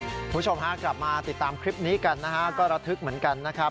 คุณผู้ชมฮะกลับมาติดตามคลิปนี้กันนะฮะก็ระทึกเหมือนกันนะครับ